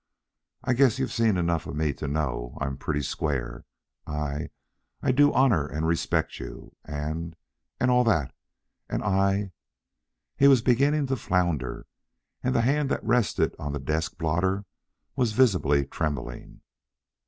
I guess you've seen enough of me to know I'm pretty square. I I do honor and respect you, and ... and all that, and I..." He was beginning to flounder, and the hand that rested on the desk blotter was visibly trembling.